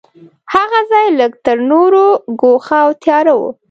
هغه ځای لږ تر نورو ګوښه او تیاره و.